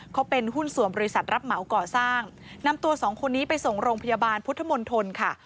เขาเป็นหุ้นส่วนบริษัทรับเหมาก่อสร้างนำตัวสองคนนี้ไปส่งโรงพยาบาลพุทธมนตรค่ะ